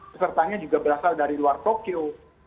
pesertanya juga berasal dari luar tokyo